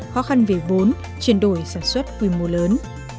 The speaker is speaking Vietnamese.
khó khăn về vốn chuyển đổi sản xuất quy mô lớn